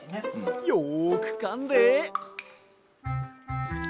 よくかんで！